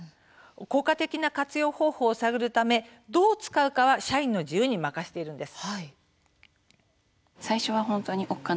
効果的な活用方法を探るためどう使うかは社員の自由に任せています。